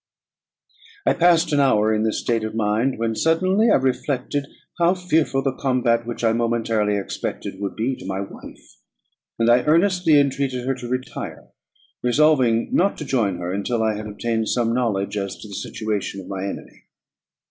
I passed an hour in this state of mind, when suddenly I reflected how fearful the combat which I momentarily expected would be to my wife, and I earnestly entreated her to retire, resolving not to join her until I had obtained some knowledge as to the situation of my enemy.